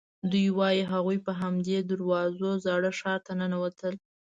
دوی وایي هغوی په همدې دروازو زاړه ښار ته ننوتل.